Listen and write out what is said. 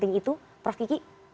apakah itu yang paling penting prof kiki